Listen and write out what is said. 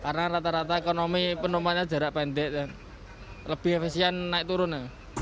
karena rata rata ekonomi penumpangnya jarak pendek dan lebih efisien naik turun